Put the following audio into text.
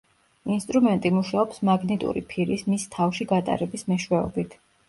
ინსტრუმენტი მუშაობს მაგნიტური ფირის მის თავში გატარების მეშვეობით.